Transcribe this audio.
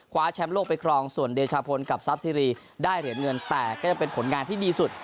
คว้าแชมป์โลกไปครองส่วนเดชาพลกับทรัพย์ซีรีส์ได้เหตุเงินแต่ก็ยังเป็นผลงานที่ดีสุด